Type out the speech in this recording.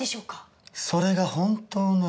それが本当なら。